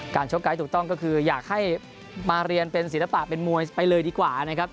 ชกไกด์ถูกต้องก็คืออยากให้มาเรียนเป็นศิลปะเป็นมวยไปเลยดีกว่านะครับ